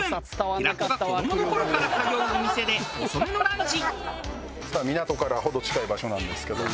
平子が子どもの頃から通うお店で遅めのランチ。